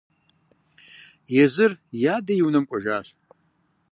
Езыр и адэ и унэм кӀуэжащ.